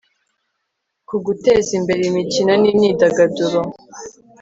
ku guteza imbere imikino n'imyidagaduro